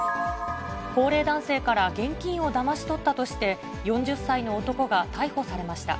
高齢男性から現金をだまし取ったとして、４０歳の男が逮捕されました。